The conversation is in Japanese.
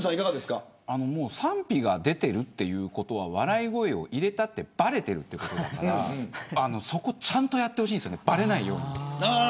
賛否が出ているということは笑い声を入れたってばれているということだからそこちゃんとやってほしいですばれないように。